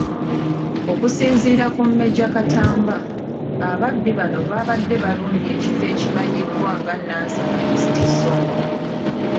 Okusinziira ku Major Katamba, ababbi bano baabadde balumbye ekifo ekimanyiddwa nga Nansana East zzooni.